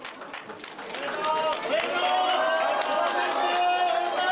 おめでとう！